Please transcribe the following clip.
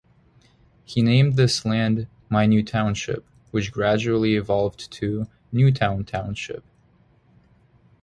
He named this land "my New Township", which gradually evolved to Newtown Township.